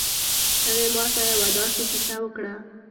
هغې ما ته یو ه داسې کیسه وکړه